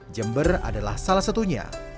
jember adalah salah satunya